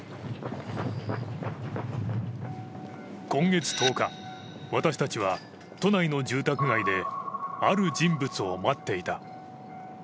今月１０日、私たちは都内の住宅街である人物を待っていた。